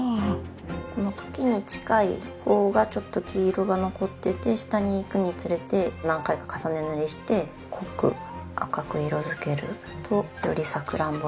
この茎に近い方がちょっと黄色が残ってて下にいくにつれて何回か重ね塗りして濃く赤く色付けるとよりさくらんぼらしい感じに。